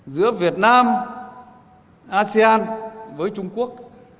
giữa việt nam asean với trung quốc